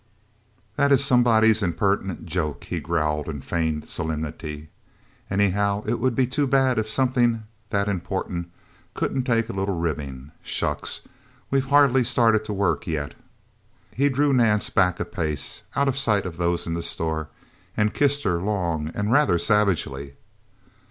"That is somebody's impertinent joke!" he growled in feigned solemnity. "Anyhow, it would be too bad if something that important couldn't take a little ribbing. Shucks we've hardly started to work, yet!" He drew Nance back a pace, out of sight of those in the store, and kissed her long and rather savagely.